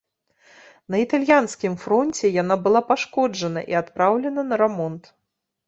На італьянскім фронце яна была пашкоджана і адпраўлена на рамонт.